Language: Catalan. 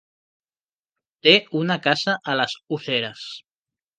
Té una casa a les Useres.